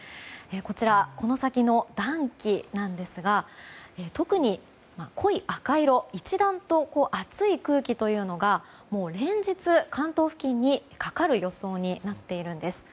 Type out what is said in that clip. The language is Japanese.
こちら、この先の暖気なんですが特に、濃い赤色一段と暑い空気というのが連日、関東付近にかかる予想になっているんです。